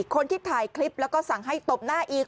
คนที่ถ่ายคลิปแล้วก็สั่งให้ตบหน้าอีก